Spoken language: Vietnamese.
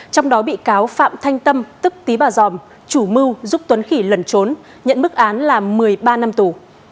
trong đó bị cáo phạm thanh tâm tức tý bà giòm chủ mưu giúp tuấn khỉ lẩn trốn nhận mức án là một mươi ba năm tù